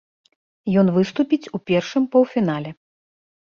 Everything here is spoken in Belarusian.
Ён выступіць у першым паўфінале.